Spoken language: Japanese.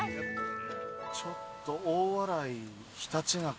・ちょっと大洗ひたちなか。